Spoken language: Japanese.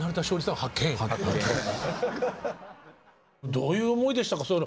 どういう思いでしたか？